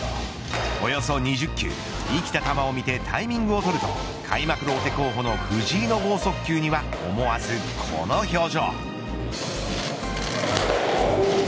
およそ２０球生きた球を見てタイミングを取ると開幕ローテ候補の藤井の剛速球には思わずこの表情。